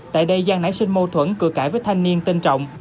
tại đây giang nãy sinh mô thuẫn cửa cãi với thanh niên tên trọng